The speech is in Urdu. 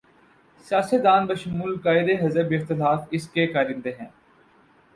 سیاست دان بشمول قائد حزب اختلاف اس کے کارندے ہیں۔